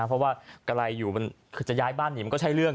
เพราะว่ากะไรอยู่มันคือจะย้ายบ้านหนีมันก็ใช่เรื่อง